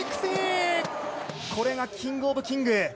これがキング・オブ・キング。